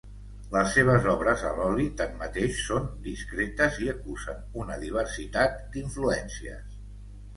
Les seves obres a l'oli tanmateix són discretes i acusen una diversitat d'influències.